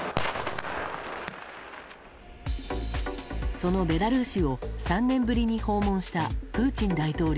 そのベラルーシを、３年ぶりに訪問したプーチン大統領。